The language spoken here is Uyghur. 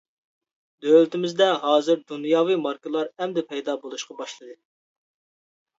دۆلىتىمىزدە ھازىر دۇنياۋى ماركىلار ئەمدى پەيدا بولۇشقا باشلىدى.